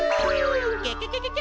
ケケケケケ！